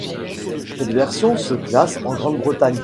Cette version se classe en Grande-Bretagne.